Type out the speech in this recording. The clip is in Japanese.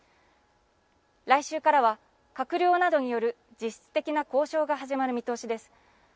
来週からは閣僚などによる実質的な交渉が始まる見通しです。